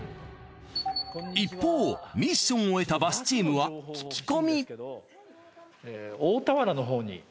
一方ミッションを終えたバスチームは聞き込み。